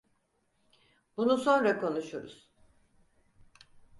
Bunu sonra konuşuruz.